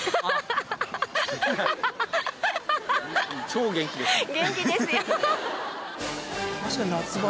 超元気ですね。